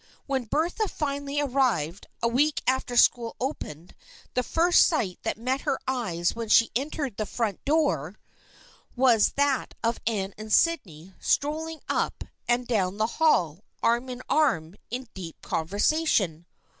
When Bertha finally arrived, a week after school opened, the first sight that met her eyes when she entered the front door 232 THE FRIENDSHIP OF ANNE was that of Anne and Sydney strolling up and down the hall, arm in arm and deep in conversa tion.